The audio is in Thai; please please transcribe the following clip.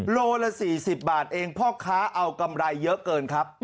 โลละ๔๐บาทเองพ่อค้าเอากำไรเยอะเกินครับ